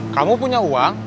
kamu punya uang